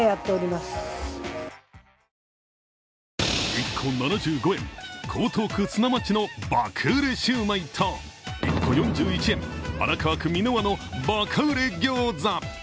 １個７５円、江東区砂町の爆売れシューマイと１個４１円、荒川区三ノ輪のばか売れギョーザ。